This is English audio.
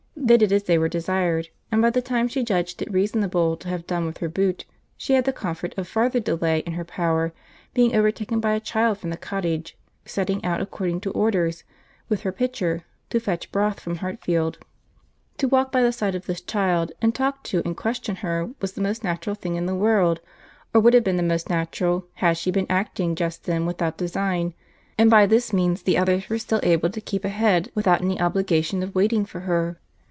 They did as they were desired; and by the time she judged it reasonable to have done with her boot, she had the comfort of farther delay in her power, being overtaken by a child from the cottage, setting out, according to orders, with her pitcher, to fetch broth from Hartfield. To walk by the side of this child, and talk to and question her, was the most natural thing in the world, or would have been the most natural, had she been acting just then without design; and by this means the others were still able to keep ahead, without any obligation of waiting for her.